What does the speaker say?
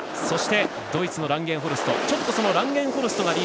そしてドイツのランゲンホルスト。